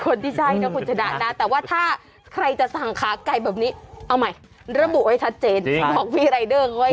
โอ้โหโอ้โห